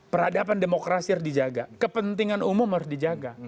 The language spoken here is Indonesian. peradaban demokrasi harus dijaga kepentingan umum harus dijaga